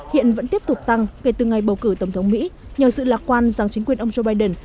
hiện vẫn tiếp tục tăng kể từ ngày bầu cử tổng thống mỹ nhờ sự lạc quan rằng chính quyền ông joe biden